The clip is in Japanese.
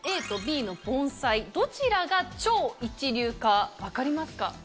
ＡとＢの盆栽どちらが超一流か分かりますか？